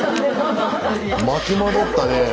巻き戻ったねえ。